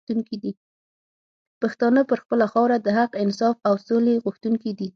پښتانه پر خپله خاوره د حق، انصاف او سولي غوښتونکي دي